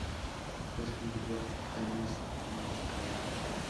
Fue escrito por Tamás Miklós.